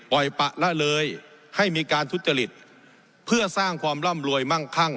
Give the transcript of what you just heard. ปล่อยปะละเลยให้มีการทุจริตเพื่อสร้างความร่ำรวยมั่งคั่ง